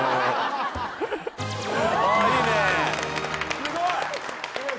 すごい。